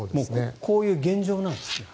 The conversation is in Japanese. こういう現状なんですね。